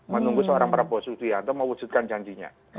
menunggu seorang prabowo subianto mewujudkan janjinya